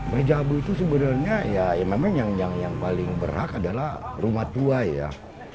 meja abu itu sebenarnya yang paling berhak adalah rumah tua ya